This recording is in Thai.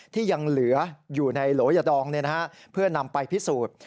ที่ยังเหลืออยู่ในโหลยาดองเพื่อนำไปพิสูจน์